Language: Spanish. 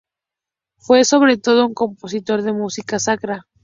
Fue sobre todo un compositor de música sacra.